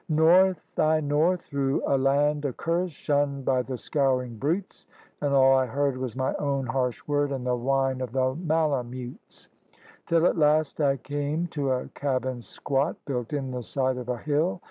North, aye. North, through a land accurst, shunned by the scouring brutes, And all I heard was my own harsh word and the whine of the malamutes, Till at last I came to a cabin squat, built in the side of a hill.